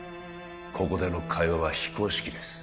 ここでの会話は非公式です